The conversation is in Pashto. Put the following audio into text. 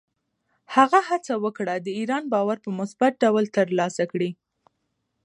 هغه هڅه وکړه، د ایران باور په مثبت ډول ترلاسه کړي.